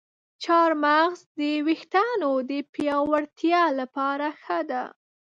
چارمغز د ویښتانو د پیاوړتیا لپاره ښه دی.